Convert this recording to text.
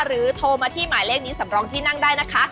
โทรมาที่หมายเลขนี้สำรองที่นั่งได้นะคะ